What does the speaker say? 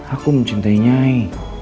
aku mencintai nyai